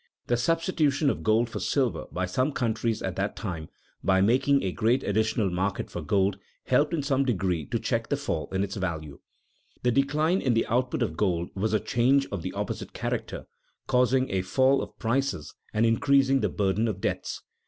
The substitution of gold for silver by some countries at that time, by making a great additional market for gold, helped in some degree to check the fall in its value. [Sidenote: The recent great fall of prices] The decline in the output of gold was a change of the opposite character, causing a fall of prices and increasing the burden of debts.